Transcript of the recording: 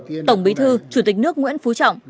tổng bí thư chủ tịch nước nguyễn phú trọng